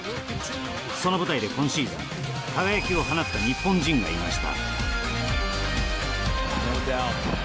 その舞台で今シーズン輝きを放った日本人がいました。